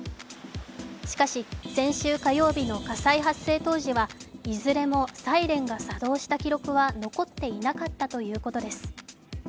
しかし、先週火曜日の火災発生当時はいずれもサイレンが作動した記録は残っていなかったといいます。